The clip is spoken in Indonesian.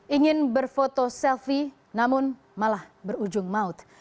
ingin berfoto selfie namun malah berujung maut